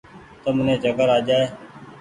تم ني چڪر آ جآئي ۔